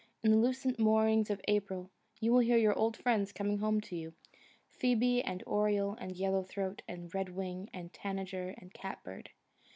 In the lucent mornings of April you will hear your old friends coming home to you, Phoebe, and Oriole, and Yellow Throat, and Red Wing, and Tanager, and Cat Bird.